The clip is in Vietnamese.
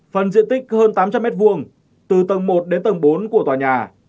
phần diện tích hơn tám trăm linh m hai từ tầng một đến tầng bốn của tòa nhà